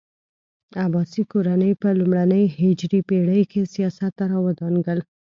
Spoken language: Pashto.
عباسي کورنۍ په لومړنۍ هجري پېړۍ کې سیاست ته راوړانګل.